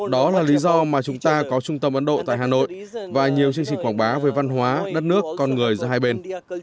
đó là lý do mà chúng ta có trung tâm ấn độ tại hà nội và nhiều chương trình quảng bá về văn hóa đất nước con người giữa hai bên